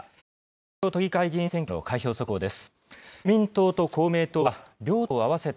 東京都議会議員選挙の開票速報です。